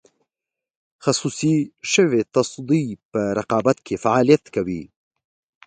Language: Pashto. خصوصي شوې تصدۍ په رقابت کې فعالیت کوي.